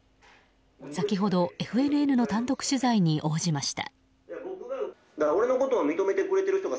先ほどＦＮＮの単独取材に応じました。